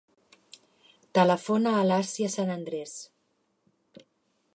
Telefona a l'Asia San Andres.